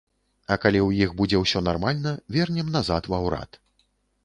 А калі ў іх будзе ўсё нармальна, вернем назад ва ўрад.